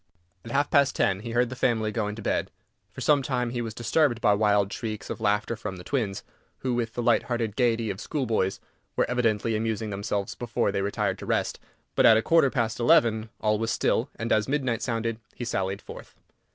At half past ten he heard the family going to bed. For some time he was disturbed by wild shrieks of laughter from the twins, who, with the light hearted gaiety of schoolboys, were evidently amusing themselves before they retired to rest, but at a quarter past eleven all was still, and, as midnight sounded, he sallied forth.